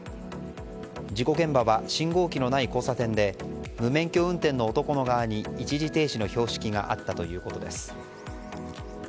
事故現場は信号機のない交差点で無免許運転の男の側に一時停止の標識があったということです。